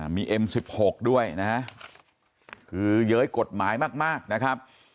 มีเอ็ม๑๖ด้วยนะฮะคือเย้ยกฎหมายมากนะครับ